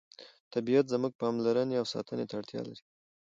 طبیعت زموږ پاملرنې او ساتنې ته اړتیا لري